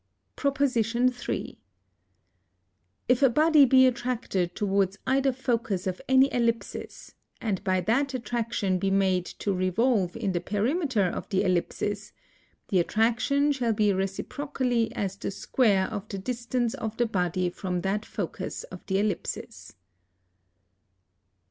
Prop. III. If a body be attracted towards either focus of any Ellipsis & by that attraction be made to revolve in the Perimeter of the Ellipsis: the attraction shall be reciprocally as the square of the distance of the body from that focus of the Ellipsis.